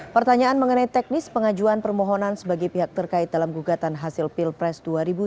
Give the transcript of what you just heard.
pertanyaan mengenai teknis pengajuan permohonan sebagai pihak terkait dalam gugatan hasil pilpres dua ribu sembilan belas